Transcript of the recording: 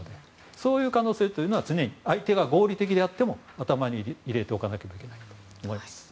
そういう可能性というのは常に相手が合理的であっても頭に入れておかなければいけないと思います。